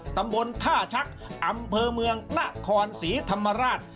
ตำบลท่าชักอำเภอเมืองนครศรีธรรมราช